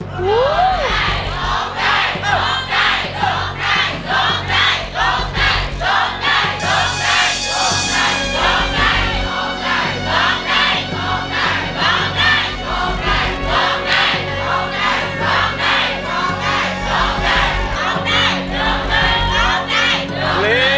เพลงที่๒นะครับ